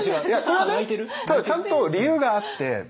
これはねただちゃんと理由があって。